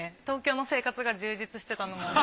東京の生活が充実してたので。